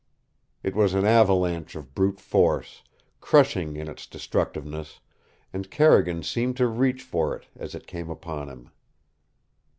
It was an avalanche of brute force, crushing in its destructiveness, and Carrigan seemed to reach for it as it came upon him.